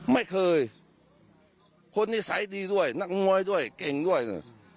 ไม่เคยคนนิสัยดีด้วยนักมวยด้วยเก่งด้วย